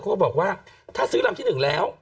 ก็บอกว่าถ้าซื้อลำที่๑แล้ว